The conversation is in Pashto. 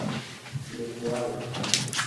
لیکوال: